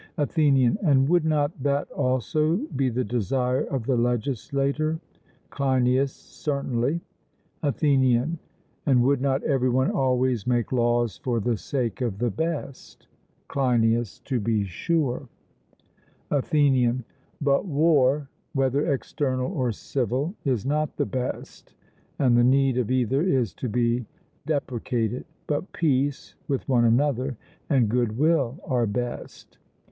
ATHENIAN: And would not that also be the desire of the legislator? CLEINIAS: Certainly. ATHENIAN: And would not every one always make laws for the sake of the best? CLEINIAS: To be sure. ATHENIAN: But war, whether external or civil, is not the best, and the need of either is to be deprecated; but peace with one another, and good will, are best.